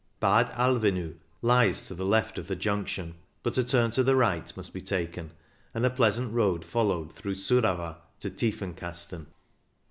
Bad Alvaneu lies to the left of the junction, but a turn to the right must be taken, and the pleasant road followed through Surava to Tiefenkasten.